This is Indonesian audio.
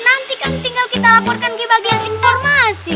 nanti kan tinggal kita laporkan ke bagian informasi